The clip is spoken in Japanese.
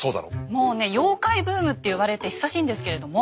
もうね「妖怪ブーム」って言われて久しいんですけれども。